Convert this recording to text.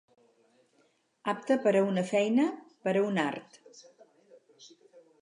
Apte per a una feina, per a un art.